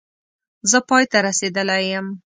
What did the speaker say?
زه پای ته رسېدلی یم